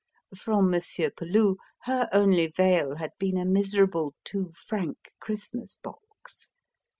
From Monsieur Peloux, her only vail had been a miserable two franc Christmas box.